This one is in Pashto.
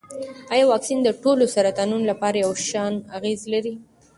ایا واکسین د ټولو سرطانونو لپاره یو شان اغېز لري؟